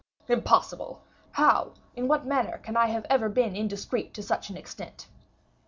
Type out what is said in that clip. "Impossible! How, in what manner can I have ever been indiscreet to such an extent?"